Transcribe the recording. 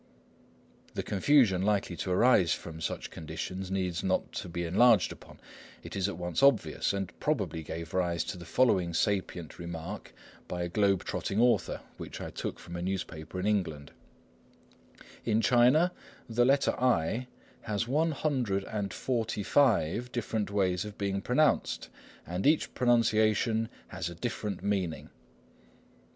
The confusion likely to arise from such conditions needs not to be enlarged upon; it is at once obvious, and probably gave rise to the following sapient remark by a globe trotting author, which I took from a newspaper in England:— "In China, the letter I has one hundred and forty five different ways of being pronounced, and each pronunciation has a different meaning."